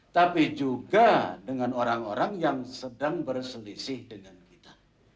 tapi juga dengan orang orang yang sedang berselisih dengan kita